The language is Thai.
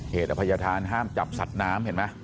เขตอภัยภัณฑ์ห้ามจับสัตว์น้ำเห็นไหม